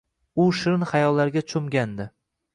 U shirin hayollarga cho`mgandi